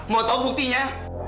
mau tahu buktinya